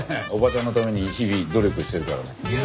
おばちゃんのために日々努力してるからね。